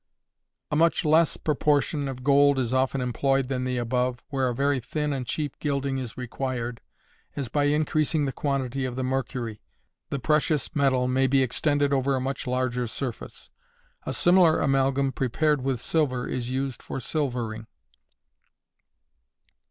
A much less proportion of gold is often employed than the above, where a very thin and cheap gilding is required, as by increasing the quantity of the mercury, the precious metal may be extended over a much larger surface. A similar amalgam prepared with silver is used for silvering.